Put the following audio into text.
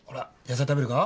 野菜食べるか？